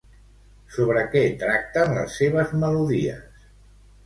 Sobre què tracten les seves melodies?